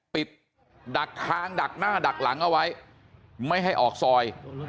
ดักทางดักหน้าดักหลังเอาไว้ไม่ให้ออกซอย